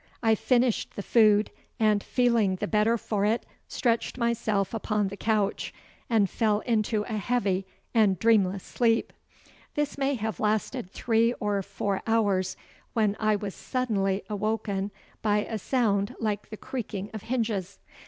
I finished the food, and feeling the better for it, stretched myself upon the couch, and fell into a heavy and dreamless sleep. This may have lasted three or four hours, when I was suddenly awoken by a sound like the creaking of hinges.